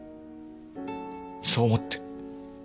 そう思って。